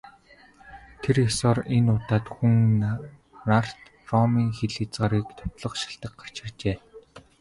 Тэр ёсоор энэ удаад Хүн нарт Ромын хил хязгаарыг довтлох шалтаг гарч иржээ.